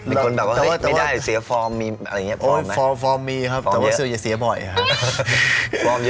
เป็นคนแบบก็ไม่ได้เสียฟอร์มมีอะไรอย่างนี้มากอีกนะ